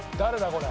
これ。